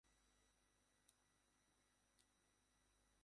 বৃহস্পতিবার রাতে, স্টেফ আর আমি রাতে ডেটিঙে বের হবো।